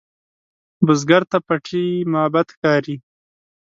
بزګر ته پټي معبد ښکاري